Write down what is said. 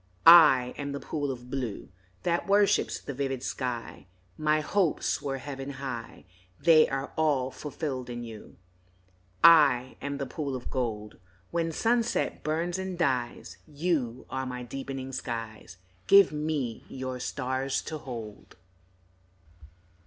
I am the pool of blue That worships the vivid sky; My hopes were heaven high, They are all fulfilled in you. I am the pool of gold When sunset burns and dies, You are my deepening skies, Give me your stars to hold.